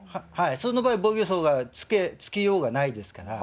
その場合、防御そうがつきようがないですから。